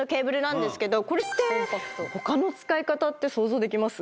これって他の使い方って想像できます？